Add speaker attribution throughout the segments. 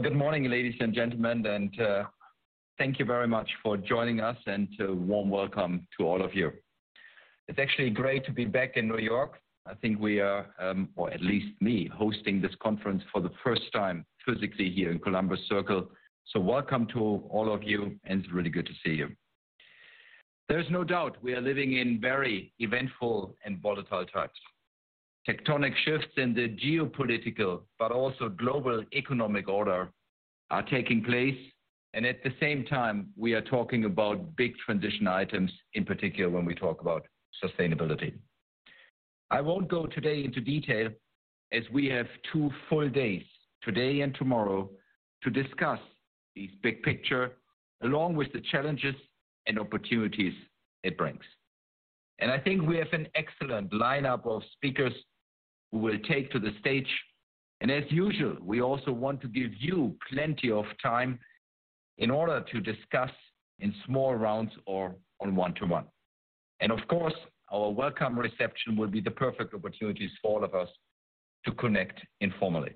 Speaker 1: Good morning, ladies and gentlemen, thank you very much for joining us. A warm welcome to all of you. It's actually great to be back in New York. I think we are, or at least me, hosting this conference for the first time physically here in Columbus Circle. Welcome to all of you, and it's really good to see you. There's no doubt we are living in very eventful and volatile times. Tectonic shifts in the geopolitical, but also global economic order, are taking place. At the same time, we are talking about big transition items, in particular, when we talk about sustainability. I won't go today into detail, as we have two full days, today and tomorrow, to discuss the big picture, along with the challenges and opportunities it brings. I think we have an excellent lineup of speakers who will take to the stage. As usual, we also want to give you plenty of time in order to discuss in small rounds or on one-to-one. Of course, our welcome reception will be the perfect opportunities for all of us to connect informally.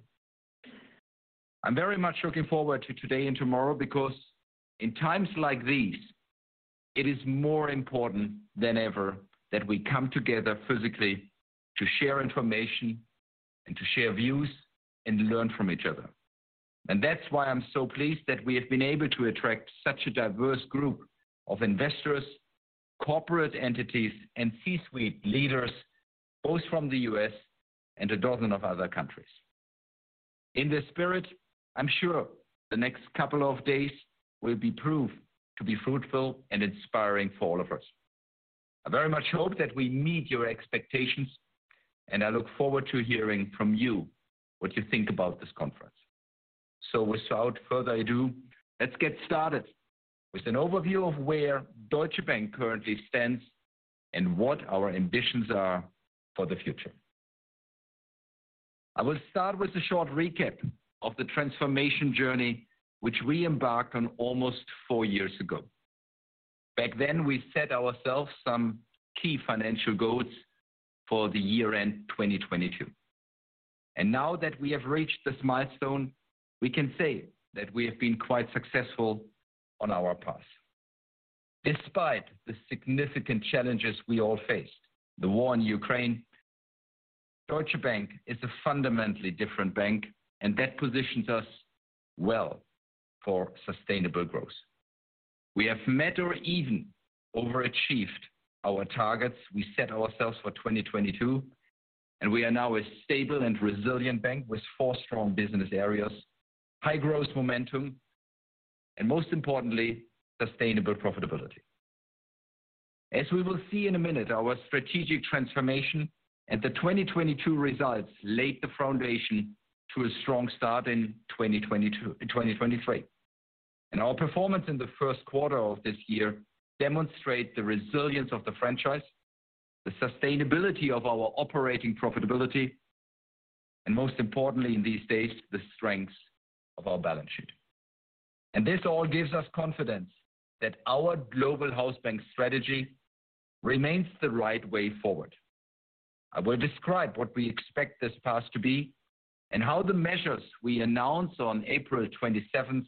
Speaker 1: I'm very much looking forward to today and tomorrow, because in times like these, it is more important than ever that we come together physically to share information and to share views and learn from each other. That's why I'm so pleased that we have been able to attract such a diverse group of investors, corporate entities, and C-suite leaders, both from the US and a dozen of other countries. In this spirit, I'm sure the next couple of days will be proved to be fruitful and inspiring for all of us. I very much hope that we meet your expectations. I look forward to hearing from you what you think about this conference. Without further ado, let's get started with an overview of where Deutsche Bank currently stands and what our ambitions are for the future. I will start with a short recap of the transformation journey, which we embarked on almost four years ago. Back then, we set ourselves some key financial goals for the year end, 2022. Now that we have reached this milestone, we can say that we have been quite successful on our path. Despite the significant challenges we all faced, the war in Ukraine, Deutsche Bank is a fundamentally different bank. That positions us well for sustainable growth. We have met or even overachieved our targets we set ourselves for 2022. We are now a stable and resilient bank with four strong business areas, high growth momentum, and most importantly, sustainable profitability. As we will see in a minute, our strategic transformation and the 2022 results laid the foundation to a strong start in 2023. Our performance in the Q1 of this year demonstrate the resilience of the franchise, the sustainability of our operating profitability, and most importantly in these days, the strengths of our balance sheet. This all gives us confidence that our Global Hausbank strategy remains the right way forward. I will describe what we expect this path to be and how the measures we announce on April 27th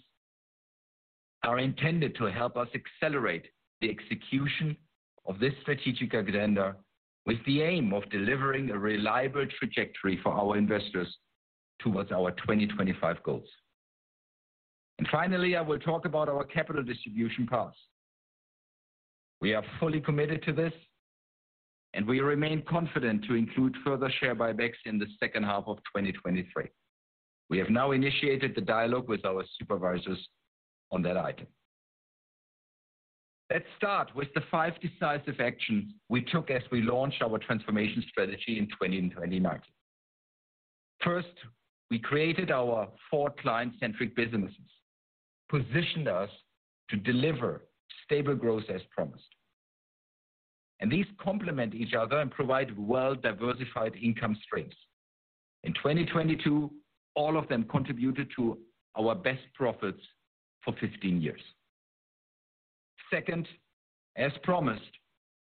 Speaker 1: are intended to help us accelerate the execution of this strategic agenda, with the aim of delivering a reliable trajectory for our investors towards our 2025 goals. Finally, I will talk about our capital distribution path. We are fully committed to this, and we remain confident to include further share buybacks in the H2 of 2023. We have now initiated the dialogue with our supervisors on that item. Let's start with the five decisive actions we took as we launched our transformation strategy in 20 and 2019. First, we created our four client-centric businesses, positioned us to deliver stable growth as promised. These complement each other and provide well-diversified income streams. In 2022, all of them contributed to our best profits for 15 years. Second, as promised,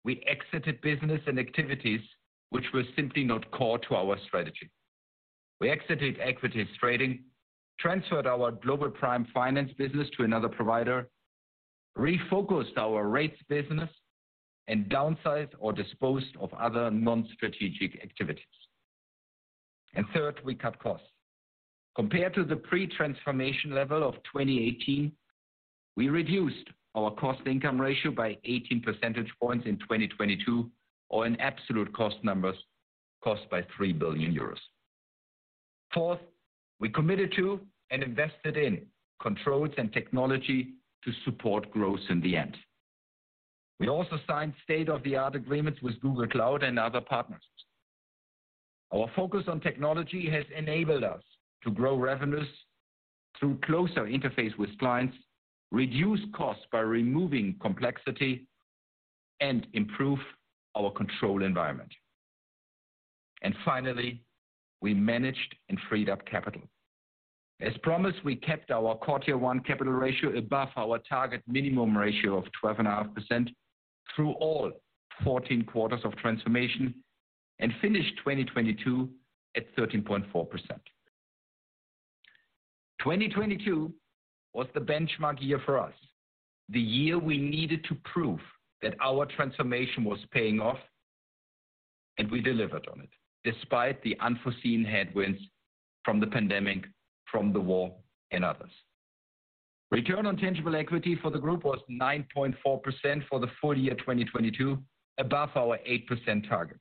Speaker 1: we exited business and activities which were simply not core to our strategy. We exited equities trading, transferred our Global Prime Finance business to another provider, refocused our rates business, and downsized or disposed of other non-strategic activities. Third, we cut costs. Compared to the pre-transformation level of 2018, we reduced our cost income ratio by 18% points in 2022, or in absolute cost numbers, costs by 3 billion euros. Fourth, we committed to and invested in controls and technology to support growth in the end. We also signed state-of-the-art agreements with Google Cloud and other partners. Our focus on technology has enabled us to grow revenues through closer interface with clients, reduce costs by removing complexity, and improve our control environment. Finally, we managed and freed up capital. As promised, we kept our quarter one capital ratio above our target minimum ratio of 12.5% through all 14 quarters of transformation and finished 2022 at 13.4%. 2022 was the benchmark year for us, the year we needed to prove that our transformation was paying off, and we delivered on it, despite the unforeseen headwinds from the pandemic, from the war, and others. Return on tangible equity for the group was 9.4% for the full year 2022, above our 8% target.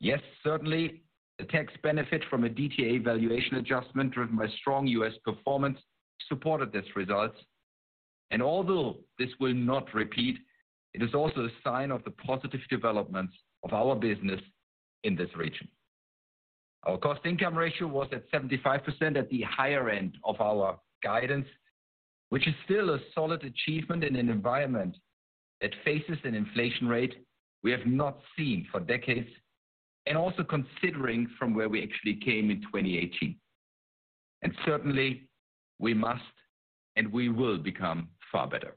Speaker 1: Yes, certainly, the tax benefit from a DTA valuation adjustment, driven by strong U.S. performance, supported these results. Although this will not repeat, it is also a sign of the positive developments of our business in this region. Our cost income ratio was at 75% at the higher end of our guidance, which is still a solid achievement in an environment that faces an inflation rate we have not seen for decades, also considering from where we actually came in 2018. Certainly we must, and we will become far better.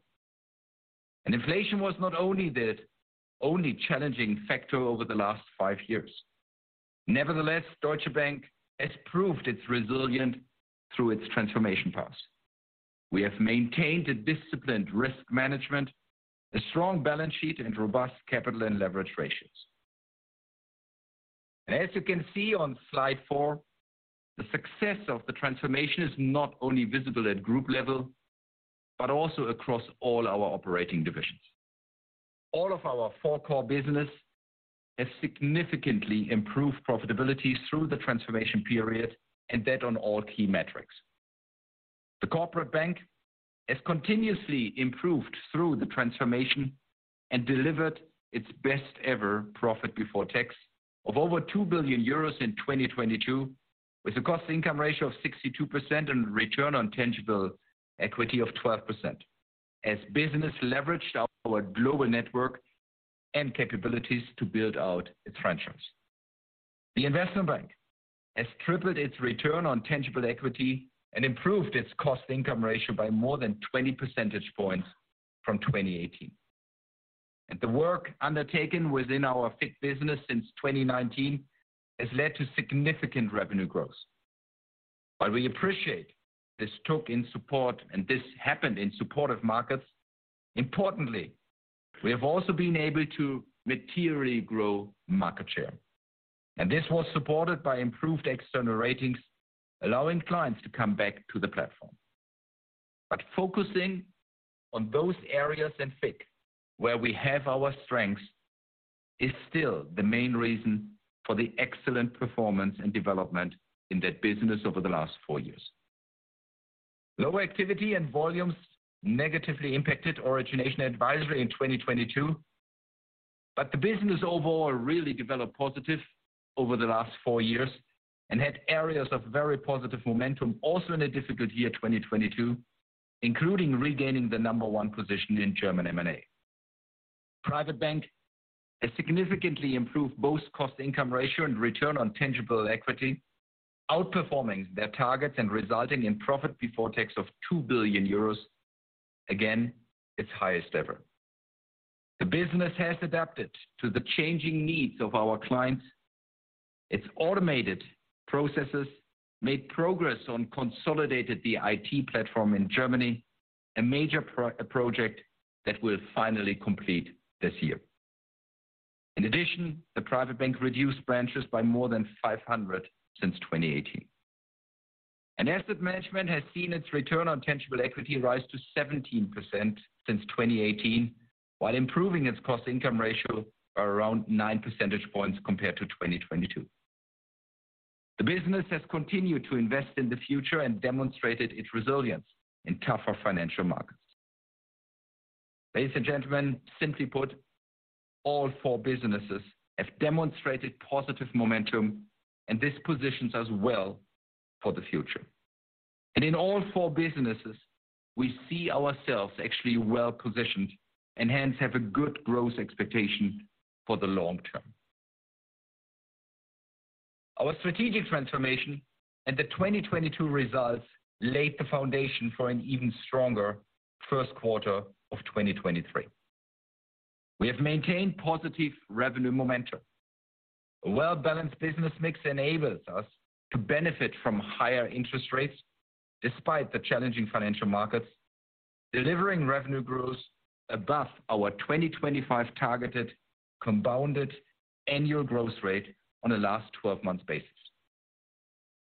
Speaker 1: Inflation was not only the only challenging factor over the last five years. Nevertheless, Deutsche Bank has proved its resilient through its transformation path. We have maintained a disciplined risk management, a strong balance sheet, and robust capital and leverage ratios. As you can see on slide 4, the success of the transformation is not only visible at group level, but also across all our operating divisions. All of our four core business has significantly improved profitability through the transformation period, and that on all key metrics. The corporate bank has continuously improved through the transformation and delivered its best ever profit before tax of over 2 billion euros in 2022, with a cost income ratio of 62% and return on tangible equity of 12%, as business leveraged our global network and capabilities to build out its franchise. The investment bank has tripled its return on tangible equity and improved its cost income ratio by more than 20% points from 2018. The work undertaken within our FICC business since 2019 has led to significant revenue growth. While we appreciate this took in support and this happened in supportive markets, importantly, we have also been able to materially grow market share. This was supported by improved external ratings, allowing clients to come back to the platform. Focusing on those areas in FICC, where we have our strengths, is still the main reason for the excellent performance and development in that business over the last four years. Lower activity and volumes negatively impacted Origination & Advisory in 2022, but the business overall really developed positive over the last four years and had areas of very positive momentum, also in a difficult year, 2022, including regaining the number one position in German M&A. Private bank has significantly improved both cost income ratio and return on tangible equity, outperforming their targets and resulting in profit before tax of 2 billion euros. Again, its highest ever. The business has adapted to the changing needs of our clients. Its automated processes made progress on consolidated the IT platform in Germany, a major project that will finally complete this year. In addition, the private bank reduced branches by more than 500 since 2018. Asset management has seen its return on tangible equity rise to 17% since 2018, while improving its cost income ratio by around 9% points compared to 2022. The business has continued to invest in the future and demonstrated its resilience in tougher financial markets. Ladies and gentlemen, simply put, all four businesses have demonstrated positive momentum, and this positions us well for the future. In all four businesses, we see ourselves actually well positioned and hence have a good growth expectation for the long term. Our strategic transformation and the 2022 results laid the foundation for an even stronger Q1 of 2023. We have maintained positive revenue momentum. A well-balanced business mix enables us to benefit from higher interest rates despite the challenging financial markets, delivering revenue growth above our 2025 targeted compound annual growth rate on a last twelve months basis.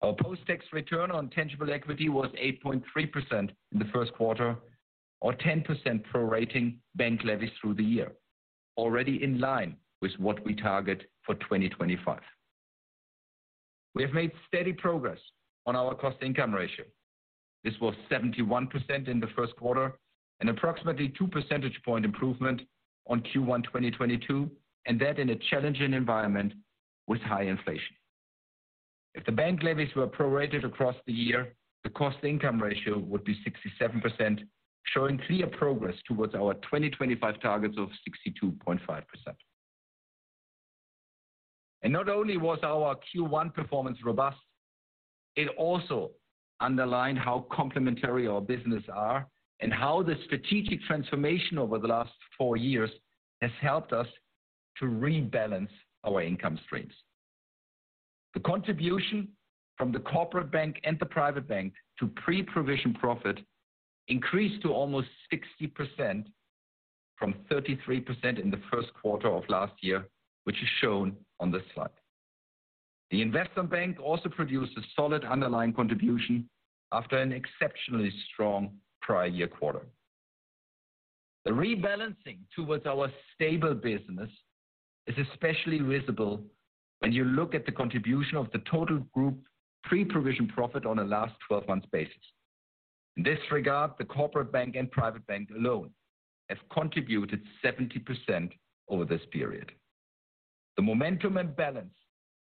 Speaker 1: Our post-tax return on tangible equity was 8.3% in the Q1, or 10% prorating bank levies through the year, already in line with what we target for 2025. We have made steady progress on our cost income ratio. This was 71% in the Q1, and approximately 2% point improvement on Q1 2022, and that in a challenging environment with high inflation. If the bank levies were prorated across the year, the cost income ratio would be 67%, showing clear progress towards our 2025 targets of 62.5%. Not only was our Q1 performance robust. It also underlined how complementary our business are and how the strategic transformation over the last four years has helped us to rebalance our income streams. The contribution from the Corporate Bank and the Private Bank to pre-provision profit increased to almost 60% from 33% in the Q1 of last year, which is shown on this slide. The Investment Bank also produced a solid underlying contribution after an exceptionally strong prior year quarter. The rebalancing towards our stable business is especially visible when you look at the contribution of the total group pre-provision profit on a last 12 months basis. In this regard, the Corporate Bank and Private Bank alone have contributed 70% over this period. The momentum and balance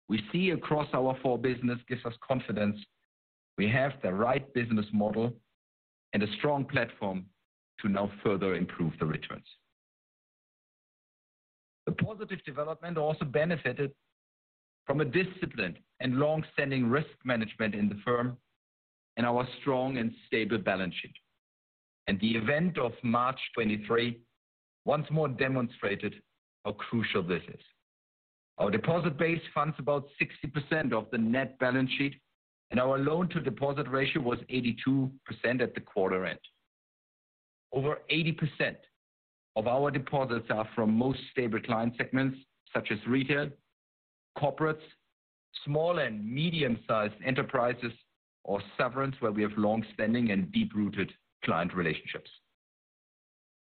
Speaker 1: we see across our four business gives us confidence we have the right business model and a strong platform to now further improve the returns. The positive development also benefited from a disciplined and long-standing risk management in the firm and our strong and stable balance sheet. The event of March 23 once more demonstrated how crucial this is. Our deposit base funds about 60% of the net balance sheet, and our loan-to-deposit ratio was 82% at the quarter end. Over 80% of our deposits are from most stable client segments, such as retail, corporates, small and medium-sized enterprises, or sovereigns, where we have long-standing and deep-rooted client relationships.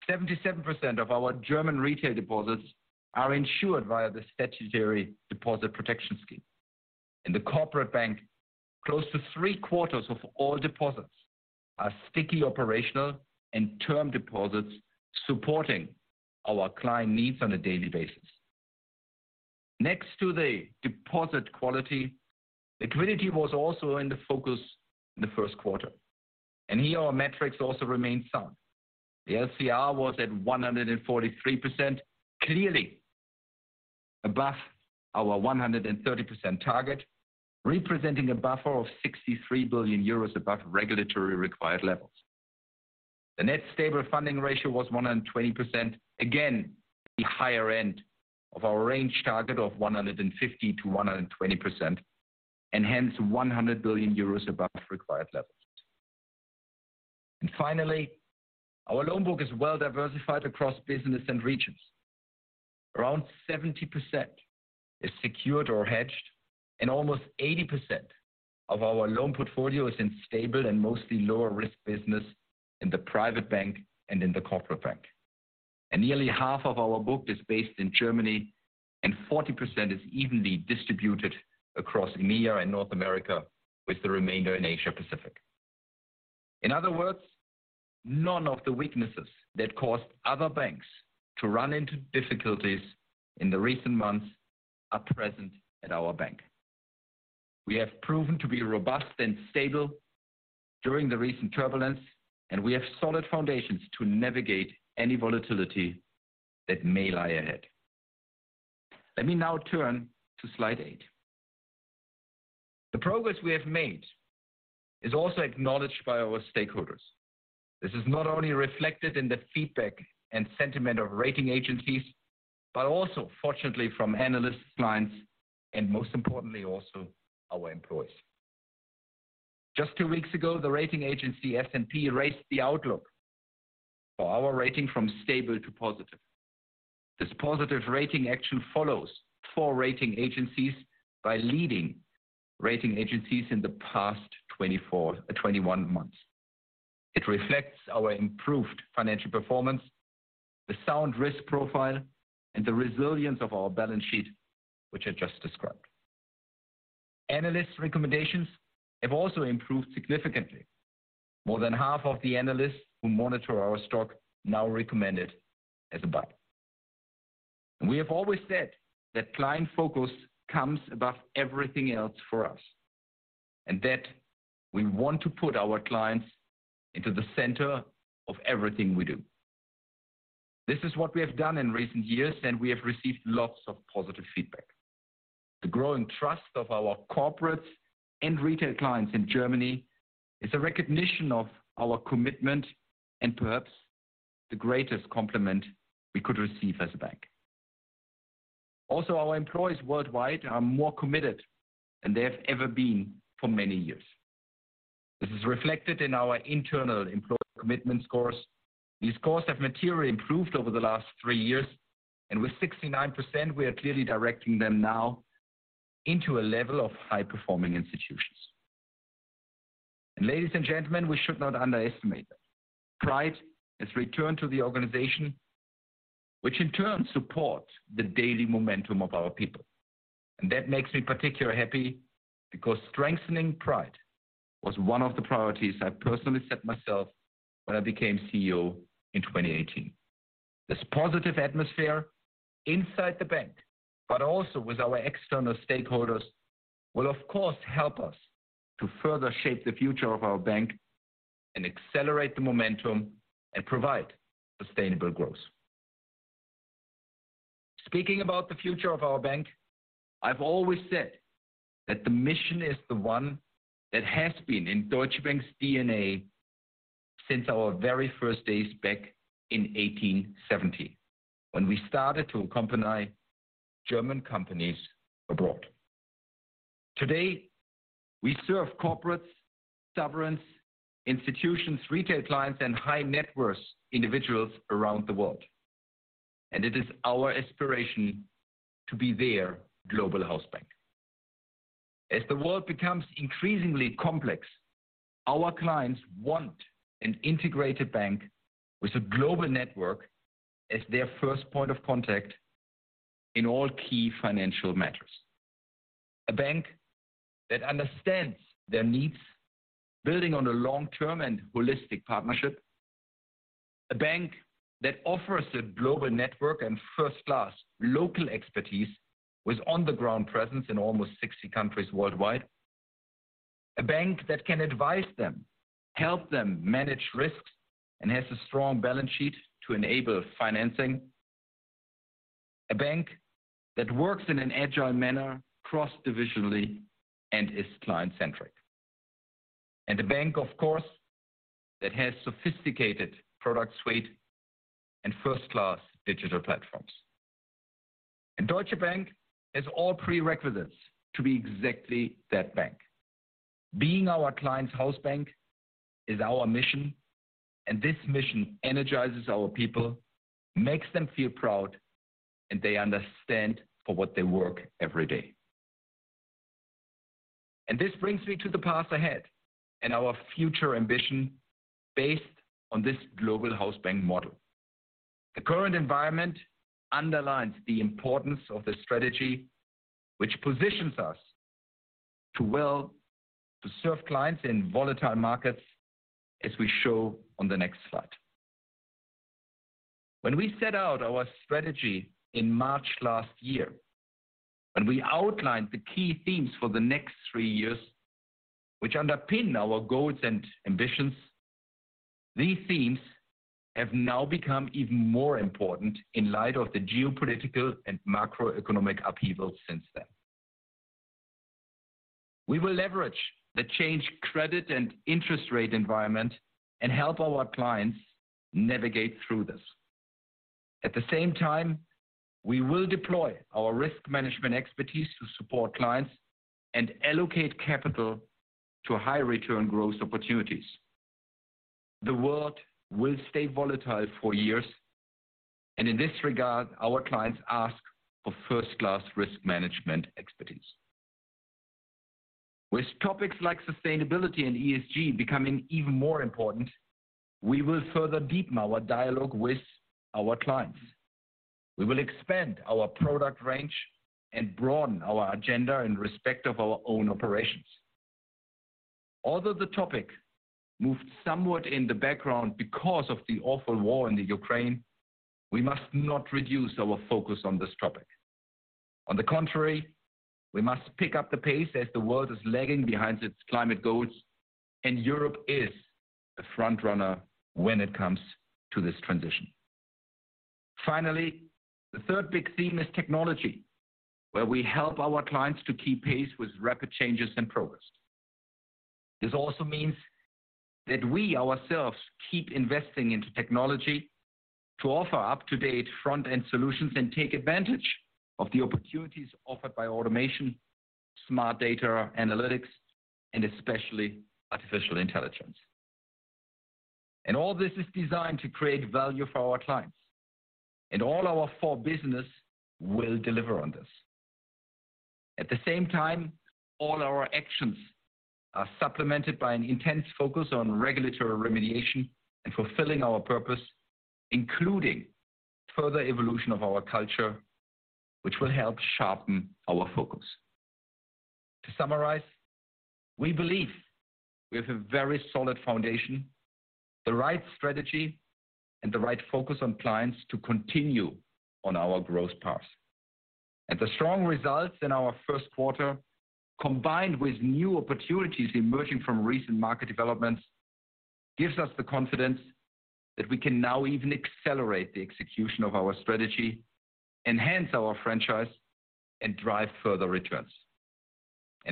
Speaker 1: 77% of our German retail deposits are insured via the statutory deposit guarantee scheme. In the corporate bank, close to Q3 of all deposits are sticky, operational, and term deposits supporting our client needs on a daily basis. Next to the deposit quality, liquidity was also in the focus in the Q1. Here our metrics also remain sound. The LCR was at 143%, clearly above our 130% target, representing a buffer of 63 billion euros above regulatory required levels. The Net Stable Funding Ratio was 120%. Again, the higher end of our range target of 150%-120%, hence 100 billion euros above required levels. Finally, our loan book is well diversified across businesses and regions. Around 70% is secured or hedged, and almost 80% of our loan portfolio is in stable and mostly lower risk business in the private bank and in the corporate bank. Nearly half of our book is based in Germany, and 40% is evenly distributed across EMEA and North America, with the remainder in Asia Pacific. In other words, none of the weaknesses that caused other banks to run into difficulties in the recent months are present at our bank. We have proven to be robust and stable during the recent turbulence, and we have solid foundations to navigate any volatility that may lie ahead. Let me now turn to slide eight. The progress we have made is also acknowledged by our stakeholders. This is not only reflected in the feedback and sentiment of rating agencies, but also fortunately from analyst clients and most importantly, also our employees. Just two weeks ago, the rating agency S&P raised the outlook for our rating from stable to positive. This positive rating action follows four rating agencies by leading rating agencies in the past 21 months. It reflects our improved financial performance, the sound risk profile, and the resilience of our balance sheet, which I just described. Analyst recommendations have also improved significantly. More than half of the analysts who monitor our stock now recommend it as a buy. We have always said that client focus comes above everything else for us, and that we want to put our clients into the center of everything we do. This is what we have done in recent years, and we have received lots of positive feedback. The growing trust of our corporates and retail clients in Germany is a recognition of our commitment and perhaps the greatest compliment we could receive as a bank. Our employees worldwide are more committed than they have ever been for many years. This is reflected in our internal employee commitment scores. These scores have materially improved over the last three years, and with 69%, we are clearly directing them now into a level of high-performing institutions. Ladies and gentlemen, we should not underestimate that. Pride has returned to the organization, which in turn supports the daily momentum of our people. That makes me particularly happy because strengthening pride was one of the priorities I personally set myself when I became CEO in 2018. This positive atmosphere inside the bank, but also with our external stakeholders, will of course, help us to further shape the future of our bank and accelerate the momentum and provide sustainable growth. Speaking about the future of our bank, I've always said that the mission is the one that has been in Deutsche Bank's DNA since our very first days back in 1870, when we started to accompany German companies abroad. Today, we serve corporates, sovereigns, institutions, retail clients, and high net worth individuals around the world, and it is our aspiration to be their Global Hausbank. As the world becomes increasingly complex, our clients want an integrated bank with a global network as their first point of contact in all key financial matters. A bank that understands their needs, building on a long-term and holistic partnership. A bank that offers a global network and first-class local expertise, with on-the-ground presence in almost 60 countries worldwide. A bank that can advise them, help them manage risks, and has a strong balance sheet to enable financing. A bank that works in an agile manner, cross-divisionally, and is client-centric. A bank, of course, that has sophisticated product suite and first-class digital platforms. Deutsche Bank has all prerequisites to be exactly that bank. Being our client's house bank is our mission, and this mission energizes our people, makes them feel proud, and they understand for what they work every day. This brings me to the path ahead and our future ambition based on this Global Hausbank model. The current environment underlines the importance of the strategy, which positions us to serve clients in volatile markets, as we show on the next slide. When we set out our strategy in March last year, and we outlined the key themes for the next three years, which underpin our goals and ambitions, these themes have now become even more important in light of the geopolitical and macroeconomic upheaval since then. We will leverage the change credit and interest rate environment and help our clients navigate through this. At the same time, we will deploy our risk management expertise to support clients and allocate capital to high return growth opportunities. The world will stay volatile for years, and in this regard, our clients ask for first-class risk management expertise. With topics like sustainability and ESG becoming even more important, we will further deepen our dialogue with our clients. We will expand our product range and broaden our agenda in respect of our own operations. Although the topic moved somewhat in the background because of the awful war in the Ukraine, we must not reduce our focus on this topic. On the contrary, we must pick up the pace as the world is lagging behind its climate goals, and Europe is a front runner when it comes to this transition. Finally, the third big theme is technology, where we help our clients to keep pace with rapid changes and progress. This also means that we ourselves keep investing into technology to offer up-to-date front-end solutions and take advantage of the opportunities offered by automation, smart data analytics, and especially artificial intelligence. All this is designed to create value for our clients, and all our four business will deliver on this. At the same time, all our actions are supplemented by an intense focus on regulatory remediation and fulfilling our purpose, including further evolution of our culture, which will help sharpen our focus. To summarize, we believe we have a very solid foundation, the right strategy and the right focus on clients to continue on our growth path. The strong results in our Q1, combined with new opportunities emerging from recent market developments, gives us the confidence that we can now even accelerate the execution of our strategy, enhance our franchise, and drive further returns.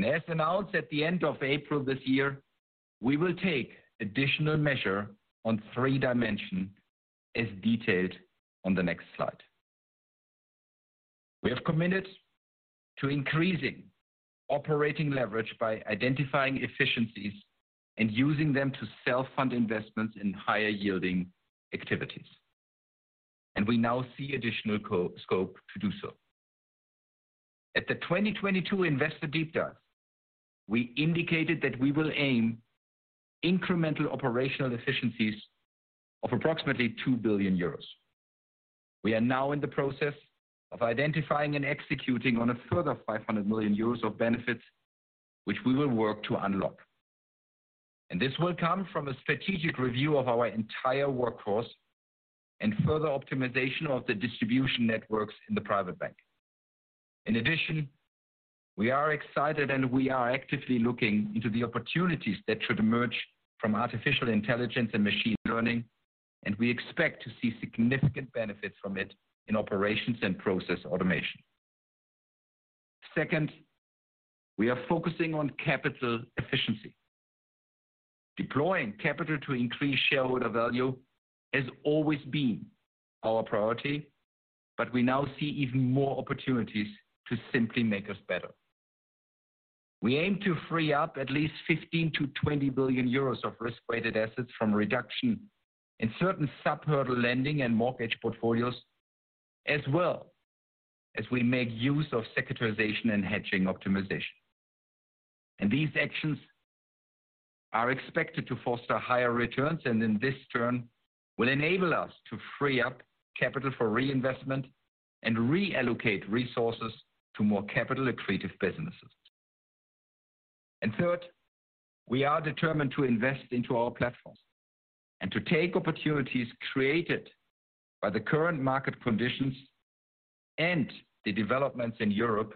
Speaker 1: As announced at the end of April this year, we will take additional measure on three dimension, as detailed on the next slide. We have committed to increasing operating leverage by identifying efficiencies and using them to self-fund investments in higher yielding activities, and we now see additional scope to do so. At the 2022 Investor Deep Dive, we indicated that we will aim incremental operational efficiencies of approximately 2 billion euros. We are now in the process of identifying and executing on a further 500 million euros of benefits, which we will work to unlock. This will come from a strategic review of our entire workforce and further optimization of the distribution networks in the private bank. In addition, we are excited and we are actively looking into the opportunities that should emerge from artificial intelligence and machine learning, and we expect to see significant benefits from it in operations and process automation. Second, we are focusing on capital efficiency. Deploying capital to increase shareholder value has always been our priority, but we now see even more opportunities to simply make us better. We aim to free up at least 15 billion-20 billion euros of risk-weighted assets from reduction in certain sub-hurdle lending and mortgage portfolios, as well as we make use of securitization and hedging optimization. These actions are expected to foster higher returns, and in this turn, will enable us to free up capital for reinvestment and reallocate resources to more capital accretive businesses. Third, we are determined to invest into our platforms and to take opportunities created by the current market conditions and the developments in Europe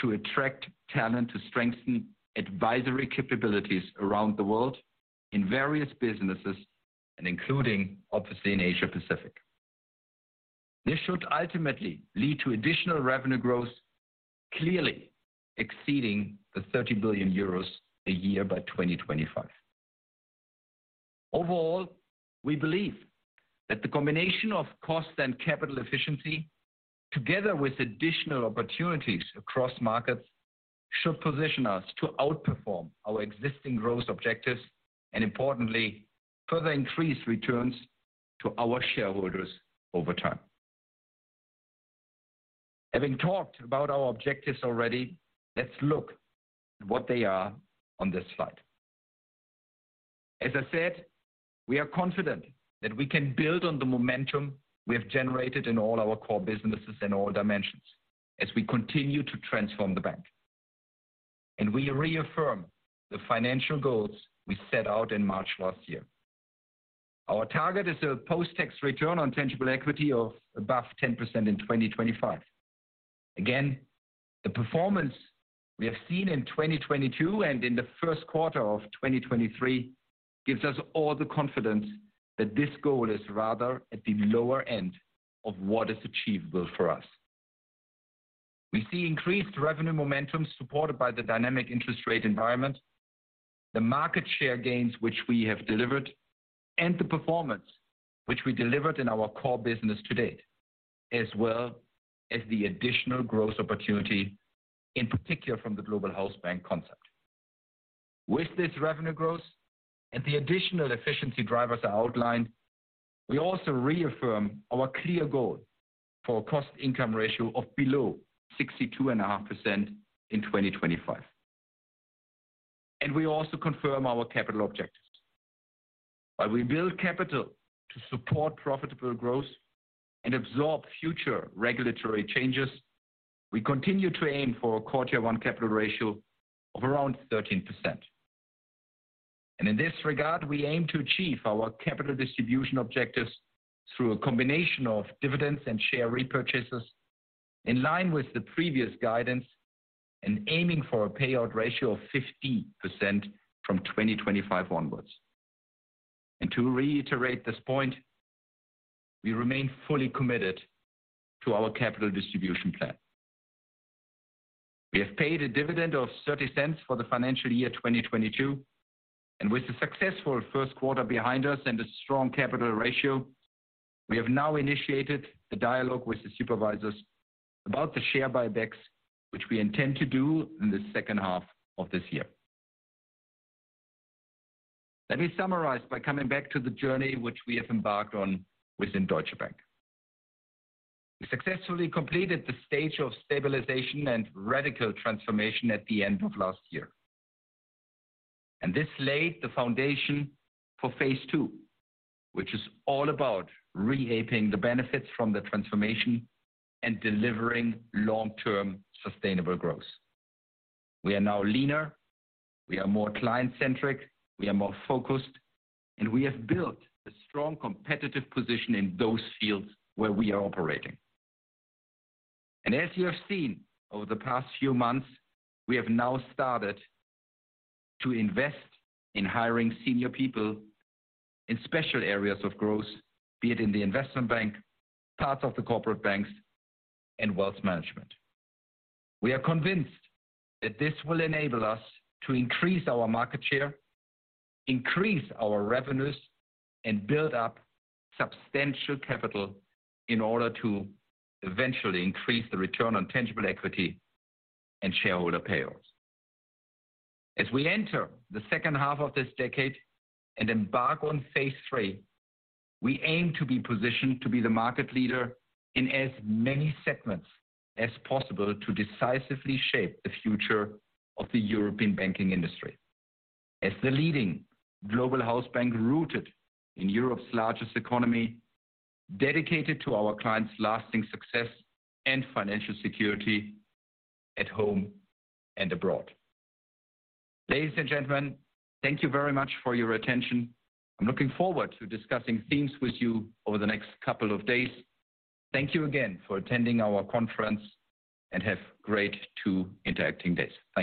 Speaker 1: to attract talent, to strengthen advisory capabilities around the world in various businesses and including, obviously, in Asia Pacific. This should ultimately lead to additional revenue growth, clearly exceeding the 30 billion euros a year by 2025. Overall, we believe that the combination of cost and capital efficiency, together with additional opportunities across markets, should position us to outperform our existing growth objectives, and importantly, further increase returns to our shareholders over time. Having talked about our objectives already, let's look at what they are on this slide. As I said, we are confident that we can build on the momentum we have generated in all our core businesses in all dimensions as we continue to transform the bank. We reaffirm the financial goals we set out in March last year. Our target is a post-tax return on tangible equity of above 10% in 2025. Again, the performance we have seen in 2022 and in the Q1 of 2023 gives us all the confidence that this goal is rather at the lower end of what is achievable for us. We see increased revenue momentum supported by the dynamic interest rate environment, the market share gains which we have delivered, and the performance which we delivered in our core business to date, as well as the additional growth opportunity, in particular, from the Global Hausbank concept. With this revenue growth and the additional efficiency drivers outlined, we also reaffirm our clear goal for cost income ratio of below 62.5% in 2025. We also confirm our capital objectives. While we build capital to support profitable growth and absorb future regulatory changes, we continue to aim for a quarter one capital ratio of around 13%. In this regard, we aim to achieve our capital distribution objectives through a combination of dividends and share repurchases in line with the previous guidance and aiming for a payout ratio of 50% from 2025 onwards. To reiterate this point, we remain fully committed to our capital distribution plan. We have paid a dividend of 0.30 for the financial year 2022, and with the successful Q1 behind us and a strong capital ratio, we have now initiated the dialogue with the supervisors about the share buybacks, which we intend to do in the H2 of this year. Let me summarize by coming back to the journey which we have embarked on within Deutsche Bank. We successfully completed the stage of stabilization and radical transformation at the end of last year. This laid the foundation for phase II, which is all about reaping the benefits from the transformation and delivering long-term sustainable growth. We are now leaner, we are more client-centric, we are more focused, and we have built a strong competitive position in those fields where we are operating. As you have seen over the past few months, we have now started to invest in hiring senior people in special areas of growth, be it in the investment bank, parts of the corporate banks, and wealth management. We are convinced that this will enable us to increase our market share, increase our revenues, and build up substantial capital in order to eventually increase the return on tangible equity and shareholder payouts. As we enter the H2 of this decade and embark on phase III, we aim to be positioned to be the market leader in as many segments as possible to decisively shape the future of the European banking industry. As the leading Global Hausbank rooted in Europe's largest economy, dedicated to our clients' lasting success and financial security at home and abroad. Ladies and gentlemen, thank you very much for your attention. I'm looking forward to discussing things with you over the next couple of days. Thank you again for attending our conference. Have great two interacting days.